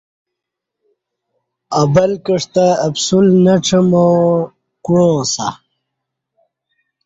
ابل کعستہ اپسول نہ چماع کوعاں سہ